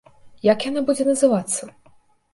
Як яна будзе называцца?